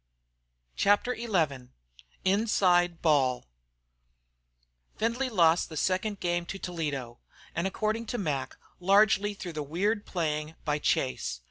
CHAPTER XI INSIDE BALL Findlay lost the second game to Toledo, and according to Mac, largely through the weird playing by Chase.